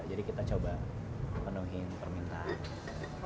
jadi kita coba penuhi permintaan